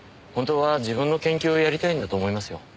本当は自分の研究をやりたいんだと思いますよ。